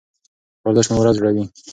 ورزش مو ورځ جوړوي.